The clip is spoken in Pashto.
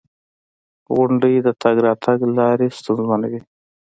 • غونډۍ د تګ راتګ لارې ستونزمنوي.